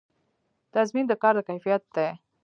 تضمین د کار د کیفیت دی